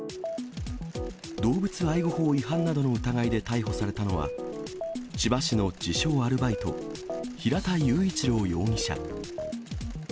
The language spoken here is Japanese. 動物愛護法違反などの疑いで逮捕されたのは、千葉市の自称アルバイト、平田雄一郎容疑者。